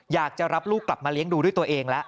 อยากจะรับลูกกลับมาเลี้ยงดูด้วยตัวเองแล้ว